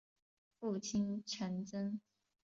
父亲陈贞。